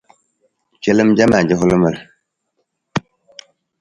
Calam camar cafalamar.